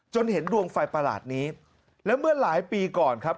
เห็นดวงไฟประหลาดนี้แล้วเมื่อหลายปีก่อนครับ